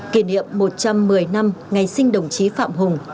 kỷ niệm một trăm một mươi năm ngày sinh đồng chí phạm hùng